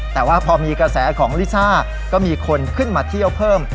แต่ว่าพอมีกระแสของลิซ่าก็มีคนขึ้นมาเที่ยวเพิ่ม